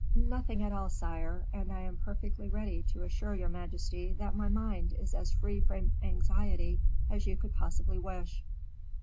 "Nothing at all, sire; and I am perfectly ready to assure your majesty that my mind is as free from anxiety as you could possibly wish."